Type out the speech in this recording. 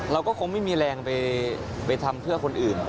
เราก็คงไม่มีแรงไปทำเพื่อคนอื่น